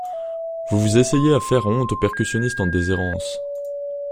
Vous vous essayez à faire honte au percussionniste en déshérence.